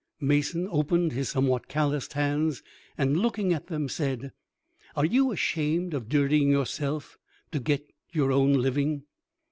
Mason opened his somewhat calloused hands, and, looking at them, said, "Are you ashamed of dirtying yourselves to get your own living?"